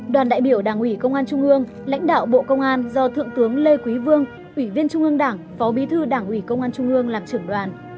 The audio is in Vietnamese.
đoàn đại biểu đảng ủy công an trung ương lãnh đạo bộ công an do thượng tướng lê quý vương ủy viên trung ương đảng phó bí thư đảng ủy công an trung ương làm trưởng đoàn